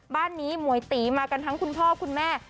บ้านนี้หมวยตีมากันทั้งคุณพ่อคุณแม่